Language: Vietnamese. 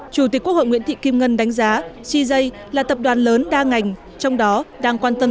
chủ tịch quốc hội nguyễn thị kim ngân đánh giá cz là tập đoàn lớn đa ngành trong đó đang quan tâm